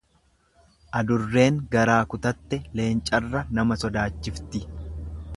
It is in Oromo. Adurreen garaa kutatte leencarra nama sodaachifti.